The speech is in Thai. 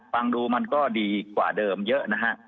ฟังดูมันก็ดีกว่าเดิมเยอะนะฮะ